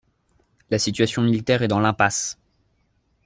La situation militaire est dans l'impasse.